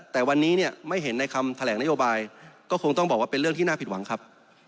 แต่วันนี้เนี่ยไม่เห็นในคำแถลงนโยบายก็คงต้องบอกว่าเป็นเรื่องที่น่าผิดหวังครับ